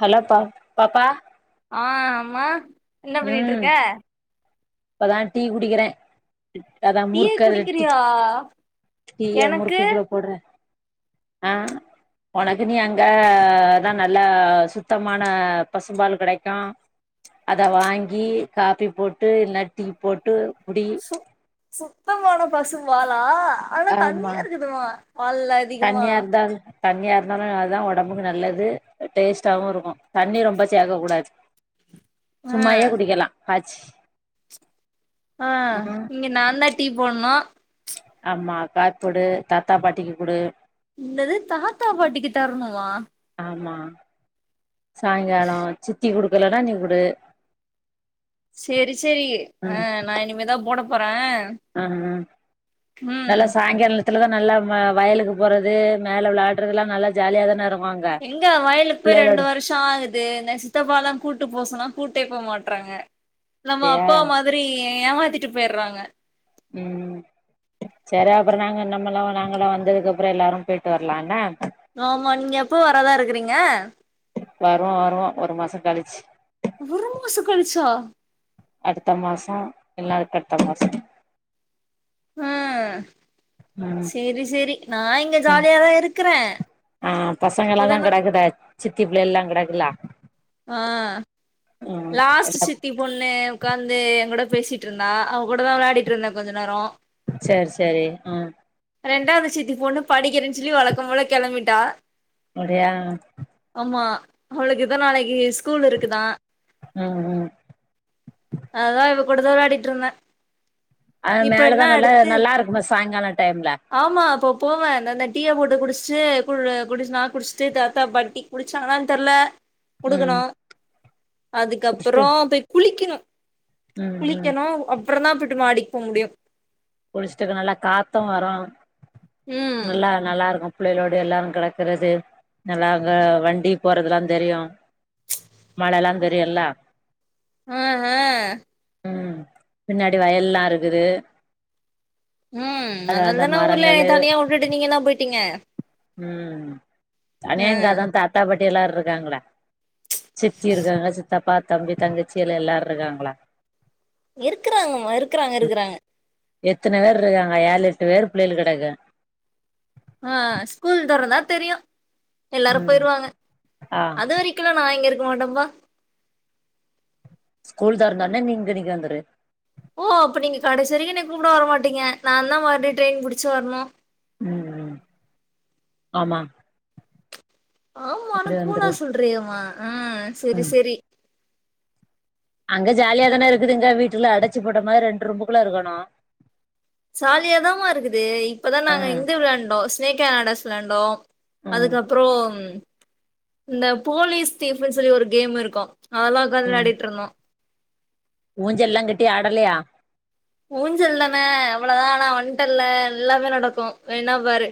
hello பா பாப்பா ஆ ஆமா என்ன பண்ணிட்டு ம் இருக்க இப்பதா டீ குடிக்கிறே அதா டீய முறுக்கு அதுல டீ குடிக்கிறியா டீய எனக்கு முறுக்குக்குள்ள போடுறே உனக்கு நீ அங்கதா நல்லா சுத்தமான பசும்பால் கெடைக்கு அத வாங்கி காபி போட்டு இன்ன டீ போட்டு குடி சு சுத்தமான பசும்பாலா ஆனா ஆமா தண்ணியா இருக்குதுமா பால்ல அதிகமா தண்ணியா இருந்தால் தண்ணியா இருந்தாலு அதா ஓடம்புக்கு நல்லது டேஸ்ட்டாவு இருக்கு தண்ணி ரொம்ப சேக்க கூடாது ஆ சும்மாயே குடிக்கலா காச்சி ஆ ம் இங்க நான்தா டீ போட்னு ஆமா காப் போடு தாத்தா பாட்டிக்கு குடு என்னது தாத்தா பாட்டிக்கு தரணுமா ஆமா சாய்ங்காலோ சித்தி குடுக்கலனா நீ குடு செரி செரி ஆ ம் நா இனிமேதா போட போறே ஆ அ ம் நல்ல சாய்ங்கால த்துல தா நல்லா ம வயலுக்கு போறது மேலே விளாடுறதுலா நல்லா ஜாலியாக தான இருக்கு எங்க வயலுக்கு போய் ரெண்டு பிள்ளைகளோடு வருஷ ஆகுது இந்த சித்தப்பாலா கூட்டு போ சொன்னா கூட்டே போ மாட்டறாங்க நம்ம அப்டியா அப்பா மா திரி ஏமாத்திட்டு போயிறாங்க ம் சரி அப்புற நாங்க நம்மல்லா நாங்களா வந்ததுக்கு அப்புற எல்லாரு போயிட்டு வரலா என்னா ஆமா நீங்க எப்போ வரதா இருக்குறீங்க வருவோ வருவோ ஒரு மாசோ கழிச்சு ஒரு மாசோ கழிச்சா அடுத்த மாச இல்ல அதுக்கு அடுத்த மாச ம் ம் செரி செரி நா இங்க ம் ஜாலியாதா இருக்குறே ஆ பசங்க எல்லா தா கெடக்குத சித்தி பிள்ளை எல்லா கெடக்குலா ஆ ம் லாஸ்ட் எல்லா சித்தி பொண்ணு உக்காந்து என் கூட பேசிட்டு இருந்தா அவ கூட தா விளையாடிட்டு இருந்த கொஞ்ச நேரோ சரி சரி ஆ ரெண்டாவது சித்தி பொண்ணு படிக்கிறேன்னு சொல்லி வழக்கம் போல கெளம்பிட்டா அப்டியா ஆமா அவளுக்குதா நாளைக்கு ஸ்கூல் இருக்குதா ம் ம் அதா இவ கூடதா விளாடிட்டு இருந்தே அது மேலதா நல்லா நல்லா இருக்குமே சாயங்கால டைம்ல ஆமா அப்போ போவே த இந்த டீ ய போட்டு குடிச்சிட்டு கு குடிச்சு நா குடிச்சிட்டு தாத்தா பாட் ட்டி குடிச்சாங்களானு தெர்ல ம் குடுக்கணு குடிச்சிட்டு அதுக்கப்புறோ போய் குளிக்கணு ம் ம் குளிக்கணு அப் புறோ தா போட்டு மாடிக்கு போ முடியு குளிச்சுட்டுக்கு நல்லா காத்து வரு ம் நல்லா நல்லா இருக்கு புள்ளைையகளோடு எல்லாரு கெடக்குறது நல்லா அங்க வண்டி போறதுல்லா தெரியு எல்லா தெரியுல்ல ஆ அ ம் பின்னாடி வயல்லா இருக்குது ம் அது அந்த அதனால்தனா ஊர்ல மரங்களு தனியா உட்டுட்டு நீங்கலா போயிட்டீங்க அ தனிய எங்க அதா தாத்தாபாட்டி எல்லா இருக்காங்கள சித்தி இருக்காங்க சித்தப்பா தம்பி தங்கச்சியில எல்லாரு இருக்காங்களா இருக்குறாங்கம்மா இருக்குறாங்க இருக்குறாங்க எத்தன பேர் ருக்காங்க ஏழு எட்டு பேர் பிள்ளைகள் கடக்கு அ அ ஸ்கூல் தொறந்தா தெரியு எல்லாரு ம் போயிருவாங்க ஆ அதுவரி கில்லா நா இங்க இருக் மாட்டம்பா ஸ்கூல் தொறந்தோனே நீ இங்கனிக்கி வந்துரு ஓ அப்ப நீங்க கடைசி வரக்கு என்ன கூப்ட வர மாட்டிங்க நாந்தா மறுடி ட்ரெயின் புடுச்சி வர்ணு ம் ம் ஆமா ஆமானு இப்டி கூலா வந்துரு சொல்றியாமா ஆ செரி ம் செரி அங்க ஜாலியாதான இருக்குதுங்க வீட்டுல அடச்சு போட்ட மாரி ரெண்டு ரூம்புக்குள்ள இருக்கணு சாலியாதமா இருக்குது இப்பதா ஆ நாங்க இந்த விளாண்டோ ஸ்னேக் எ லேன்டர்ஸ் வளாயாண்டோ ம் அதுக்கப்புறோ இந்த போலீஸ் தீஃப்ன்னு சொல்லி ஒரு கேம் இருக்கு அதல்லா உக்காந் விளாடிட்ருந்தோ ஊஞ்செல்லா கட்டி ஆடலையா ஊஞ்சல் தான அவளதா நா ஆனா வன்ட்டல்ல எல்லாமே நடக்கு வேனா பாரு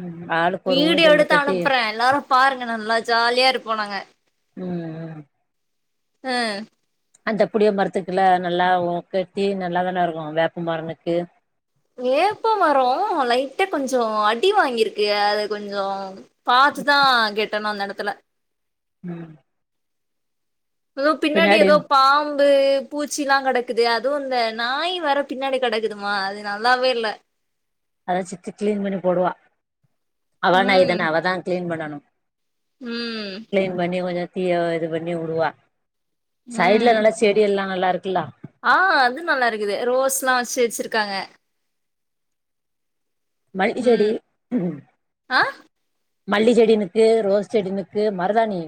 ம் ஆளுக்கு ஒரு வீடியோ ஊஞ்சல் எடுத்து கட்டி அனுப்புறே எல்லாரு பாருங்க நல்லா ஜால்யா இருப்போ நாங்க அ அ அ அந்த புடிய மரத்துக்கில நல்லாவு கட்டி நல்லாதான இருக்கு வேப்ப மரனுக்கு ஏப்போ மரோ லைட்ட கொஞ்சோ அடி வாங்கிருக்கு அத கொஞ்சோ பாத்துதா கெட்டணு அந்த எடத்துல ம் அது பின்னடி பின்னாடி எதோ பாம்பு பூச்சில்லா கடக்குது அதுவு இந்த நாய் வேற பின்னாடி கடக்குதுமா அது நல்லாவே இல்ல அத சித்தி க்ளீன் பண்ணி போடுவா அவான ம் இதன அவதா க்ளீன் பண்ணனு ம் க்ளீன் பண்ணி கொஞ்சோ தீய இது பண்ணி உடுவா ம் சைட்ல நல்ல செடி எல்லா நல்லாருக்கில்லா ஆ அது நல்லாருக்குது ரோஸ்ல்லா வச்சி வெச்சிருக்காங்க மல்ட்டி செடி ம் ஆ மல்டி செடினுக்கு ரோஸ் செடினுக்கு மருதானி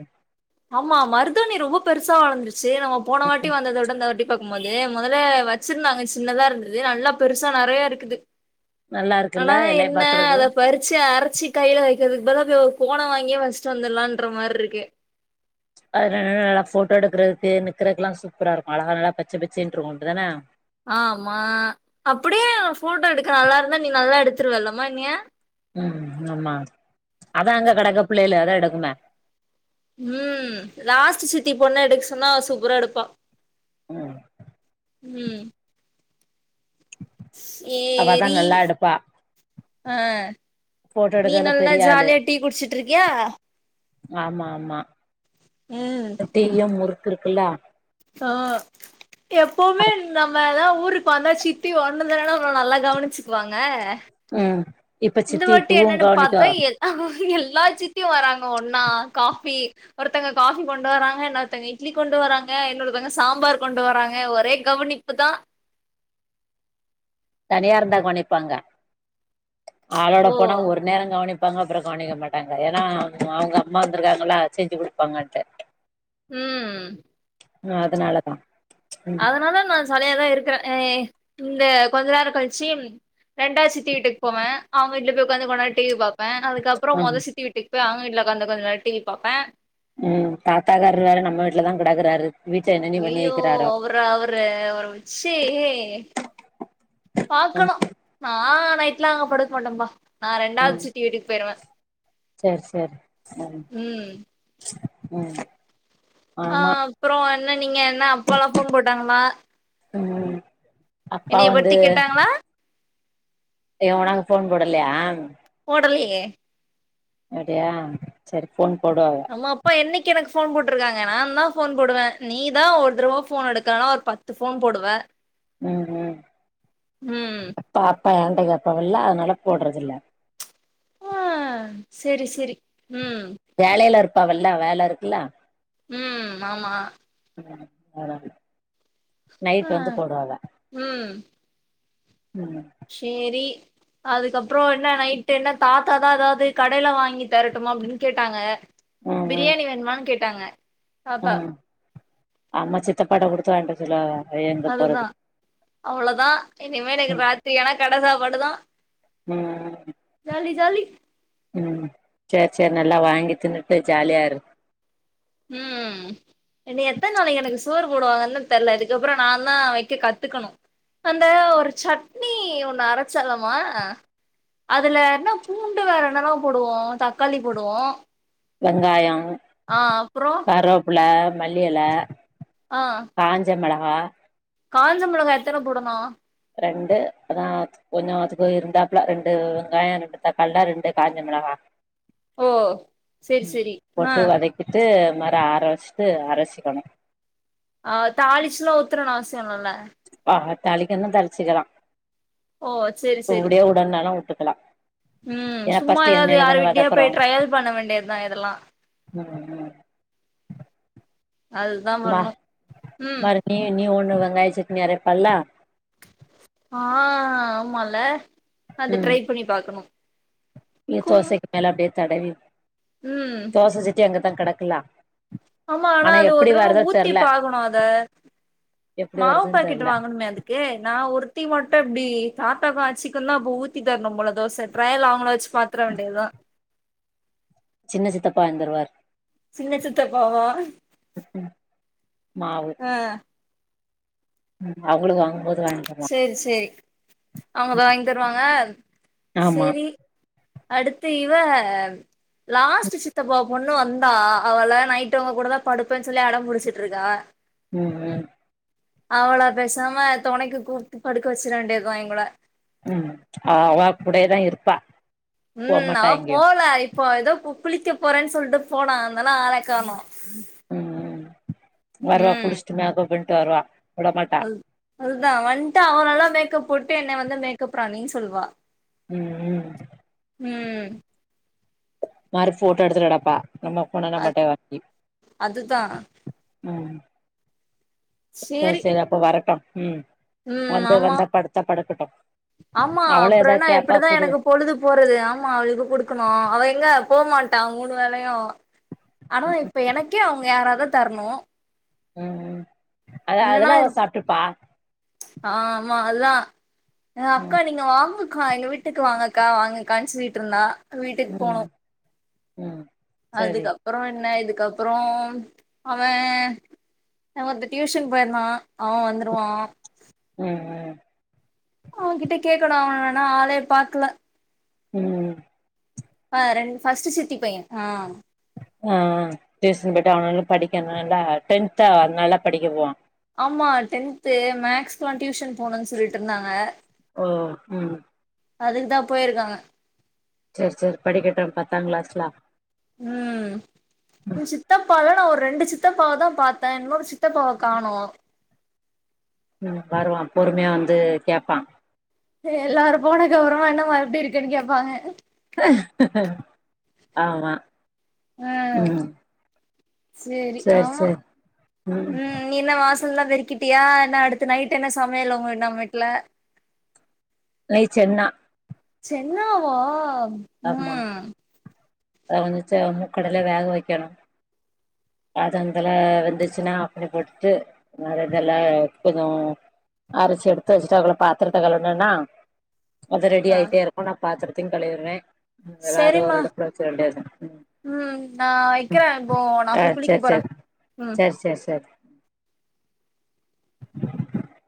ஆமா மருதாணி ரொம்ப பெருசா வளந்துருச்சு நம்ம போன வாட்டி வந்ததோட் இந்தந்த வாட்டி பாக்கும்போது மொதல வச்சிருந்தாங்க சின்னதா இருந்துது நல்லா பெருசா நறையா இருக்குது நல்லா இருக்குல்ல அனா எல்லாயு என்ன பாக்குறக்கு அத பறுச்சி அரச்சி கைல வைக்கற்துக்கு பதுலா போய் ஒரு கோண வாங்கி வச்சுட்டு வந்துர்லான்ற மார்ருக்கு அது நல்ல நல்லா போட்டோ எடுக்கறதுக்கு நிக்கிறதுக்குல்லா சூப்பரா இருக்கு அழக நல்லா பச்ச பச்சேன்ருக்கு அப்டுதான ஆமா அப்புடியே போட்டோ எடுக்க நல்லா இருந்தா நீ நல்லா எடுத்துருவ இல்லம்மா என்ய ம் ஆமா அதா அங்க கடக்க புள்ளைல அதா எடுக்குமே ம் லாஸ்ட் சித்தி பொண்ண எடுக்க சொன்னா சூப்ரா எடுப்பா ம் ம் அவதா ஏரி நல்லா எடுப்பா அ போட்டோ நீ எடுக்கறதுல நல்லா பெரிய ஆளு ஜாலியா டீ குடிச்சிட்ருக்கியா ஆமா ஆமா ம் டீ யு முறுக் இருக்குல்ல தோ எப்போவுமே நம்ம எல்லா ஊருக் வந்தா சித்தி ஒன்ன தான நம்ள நல்லா கவனிச்சிக்வாங்க ம் இப்ப சித்தி டூவு பாத்தா கவுனிக்கோ எல்லா எல்லா சித்தியு வராங்க ஒன்னா காஃபி ஒருத்தங்க காஃபி கொண்டு வராங்க இன்னொருத்தங்க இட்லி கொண்டு வராங்க இன்னொருத்தங்க சாம்பார் கொண்டு வராங்க ஒரே கவனிப்புதா தனியா இருந்தா கவனிப்பாங்க ஆளோட ஓ போனா ஒரு நேரோ கவனிப் பாங்க அப்புற கவனிக்க மாட்டாங்க ஏன்னா அவ அவுங்க அம்மா வந்திருக்காங்களா செஞ்சு குடுப்பாங்கட்டு ம் ம் அதனாலதா ம் அதனால நா சலய தா இருக்குறே அ இந்த கொஞ்ச நேர கழிச்சி ரெண்டாது சித்தி வீட்டுக் போவ அவுங்க வீட்ல போய் உக்காந்து கொஞ்ச நேரோ டிவி பாப் ப அதுக்கப்றோ ஆ மொத சித்தி வீட்டுக்கு பேய் அவுங்க வீட்ல உக்காந்து கொஞ்ச நேரோ டிவி பாப்பே ம் தாத்தாக்கார்ரு வேற நம்ம வீட்லதா கெடக்குறாரு வீட்ட என்னென்னி பண்ணி அய்யோ வைக்கிறாரோ அவர அவரு அவர வச்சி பாக்கணு ம் நா நைட்லா அங்க படுக் மாட்ட பா நா ரெண்டாது ம் சித்தி வீட்டுக் போயிருவே சேரி சேரி ம் ம் அ ஆமா அப்றோ என்ன நீங்க என்ன அப்பாலா போன் போட்டாங்ளா ம் அப்பா பத்தி வந்து கேட்டாங்களா ஏ உனக்கு போன் போடலயா போடலயே அப்டியா செரி போன் போடுவாவ நம்ம அப்பா என்னக்கி எனக்கு போன் போட்ருக்காங்க நா தா போன் போடுவே நீ தா ஒரு தருவ போன் எடுக்கலனா ஒரு பத் த்து போன் போடுவ ம் ம் ம் தாத்தா எனட கேப்பாவல்ல அதனால போட்றதுல்ல செரி செரி ம் வேலையில இருப்பாவல்ல வேல இருக்குல்ல ம் ஆமா [inaudible] ஆ நைட்டு வந்து போடுவாவ ம் ம் சேரி அதுக்கப்றோ என்ன நைட்டு் என்ன தாத்தாதா ஏதாவது கடையில வாங்கி தரட்டுமா அப்டின் கேட்டாங்க ம் ம் பிரியாணி வேணுமான் கேட்டாங்க தாத்தா ம் ஆமா சித்தப்பாட்ட குடுத்து வாங்ட்டு வர சொல்லுவாவ அதுதா அவ்ளோதா இனிமே எனக்கு ம் ராத்திரி ஆனா கட சாப்பாடுதா ம் ஜாலி ஜாலி ம் சேர் சேர் நல்லா வாங்கி தின்னுட்டு ஜாலியா இரு ம் இன்னு எத்தன் நாளைக்கு எனக்கு சோறு போடுவாங்கன்னு தா தெர்ல இதுக்கப்றோ நா தா வெக்க கத்துக்கணு அந்த ஒரு சட்னி ஒண்ணு அரச்சலாமா அதுல என்னா பூண்டு வேற என்னல்லா போடுவோ தக்காளி போடுவோ வெங்காயம் ஆ அப்றோ கருவப்பில மல்லி இல ஆ காஞ்ச மெளகா காஞ்ச மிளகா எத்தன போடணு ரெண்டு அதா கொஞ்சோ அதுக்கு இருந்தாப்புல ரெண்டு வெங்காய ரெண்டு தாக்காளில்ல ரெண்டு காஞ்ச மிளகா ஓ செரி செரி ஆ இத்து மற ஆர வச்ட்டு அரச்சிக்கனு ஆ தாளிச்லா ஊத்தனு அவசிய இல்லல்ல ஆ தாளிக்கன்னா தாளிச்சிக்கலா ஓ சேரி சேரி இப்டியே உடன்னாலு உட்டுக்கலா ம் ஏன்னா சும்மா ஃபர்ஸ்ட் ஏதாவது எண்ணெயில யாரு தான வீட்லயோ வதக்குறோ போய் டிரயல் பண்ண வேண்டியதா இதெல்லா ம் ம் அதுதா மா பண்ணு ம் மறு நீ நீ ஒண்ணு வெங்காய சட்னி அரைப்பல்ல ஆ ஆமா இல்ல ம் நீர் கும் தோசைக்கு மேல அப்டியே தடவி ம் தோச சட்டி அங்கதா கெடக்கில்லா ஆமா ஆனா அது ஒரு தரவ ஊத்தி தெர்ல பாக்கனு அத எப்படி மாவு வருதுன்னு பாக்கெட் தெர்ல வாங்கனுமே அதுக் கே நா ஒருத்தி மட்டு எப்டி தாத்தாக்கு ஆச்சிக்கு தா அப்ப ஊத்தி தரனு போல தோச ட்ரயல் அவுங்கள வச்சி பாத் வித்ற வேண்டியதா சின்ன சித்தப்பா வந்துருவாரு சின்ன சித்தப்பா வா மாவு அ ம் அவுங்களுக்கு வாங்கு போது வாய்ங்கிவே செரி செரி அவுங்க வாங்கி தருவாங்க ஆமா செரி அடுத்து இவ லாஸ்ட் சித்தப்பா பொண்ணு வந்தா அவள நைட் உங்க கூட தா படுப்பேன் சொல்லி அட புடிச்சிட்ருக்கா ம் ம் அவள பேசாம தொனைக்கு கூப்ட்டு படுக்க வச்சிற வேண்டியதா இவள ம் அவ அவ கூடயேதா இருப்பா ம் நா போமாட்டா எங்கேயு போல அய் போ ஏதோ கு குளிக்க போறேன் சொல்ட்டு போனா அதனால ஆள கானோ ம் ம் வருவா குளிச்ட்டு மேக் அப் பண்ட்டு வருவா விட மாட்டா அது அதுதா வன்ட்டு அவ நல்லா மேக்கப் போட்டு என்ன வந்து மேக்கப் ராணி சொல்வா ம் ம் ம் மாறி போட்டோ எடுத்துக் கெடப்பா நம்ம ஃபோனுனா அ மட்டு அப்டி அதுதா ம் செரி சேரி செரி அப்ப வரட்டு ம் ம் வந்து ஆமா வந்தா படுத்தா படுக்கட்டு ஆமா அவளே அப்புறோ என்ன ஏதாவத் கேப்பா இப்டிதா குடு எனக்கு பொழுது போறது ஆமா அவளுக்கு குடுக்கணு அவ எங்க போ மாட்டா மூணு வேலையு ஆனா இப்ப எனக்கே அவுங்க யாராதா தரனு ம் ம் அத இல்லனா அதெல்லா அவ இருக்கு சாப்ட்டுப்பா ஆமா அதுதா அ அக்கா ம் நீங்க வாங்கு கா எங்க வீட்டுக்கு வாங்கக்கா வாங்கக்கான் சொல்லிட் இருந்தா வீட்டுக்கு போனோ ம் ம் சரி அதுக்கப்புறோ என்ன இதுக்கப்புறோ அவெ இங்க ஒருத்த டியூஷன் போய்ருந்தா அவ வந்துருவா ம் ம் அவகிட்ட கேக்குணு அவன நா ஆலே பாக்கல ம் ஆ ரெண் ஃபர்ஸ்ட்டு சித்தி பைய ஆ ஆ டியூசன் போயிட்டு அவனால படிக்குனுல டென்த் ஆ அதனால படிக்க போணு ஆமா டென்த்து மேக்ஸ்குல்லா டியூஷன் போணுனு சொல்லிட்டு இருந்தாங்க ஓ ம் அதுக்கு தா போயிருக்காங்க சேர் சேர் படிக்கட்டு பத்தா கிளாஸ்ல ம் உ சித்தப்பாவுல நா ஒரு ரெண்டு சித்தப்பாவ தா பாத்த இன்னொரு சித்தப்பாவ காணு ம் வருவா பொறுமையா வந்து கேட்பா எல்லாரு போன அப்றோ என்னமா எப்டி இருக்குன்னு கேப்பாங்க ஆமா ஆ ம் சேரி ஆமா ம் நீ என்ன வாசலெல்லா பெருக்கிட்டியா என்னா அடுத்து நைட் என்ன சமையல் உங்க நம்ப வீட்ல [inaudible] நைட் சென்னா சென்னாவா ஆமா ம் அத கொஞ்சச முக்கடல வேக வைக்குணு அதுங்கல வெந்துச்சுன்னா அப்டி போட்டுட்டு வேற இதெல்லா எடுத்துக்கு அரிச்சு எடுத்து வச்சுட்டோ அப்றோ பாத்திரத்தா கழுவுனனா அது ரெடி ஆ ஆயிட்டே இருக்கு நா பாத்திரத்தையு கழுவிற்வே எல்லாரு ஒரு செரிம்மா எடத்தில வச்சிர வேண்டிய தா ம் ம் நா வக்கிற இப்போ நா போய் குளிக்க போறே ம் செர் செர் செர் [unintelligible]